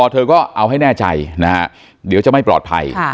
เธอก็เอาให้แน่ใจนะฮะเดี๋ยวจะไม่ปลอดภัย